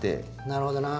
なるほどな。